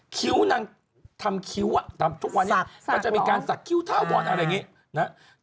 คิ้วนางทำคิ้วทุกวันนี้เขาจะมีการสักคิ้วเท้าบ่อนอะไรอย่างนี้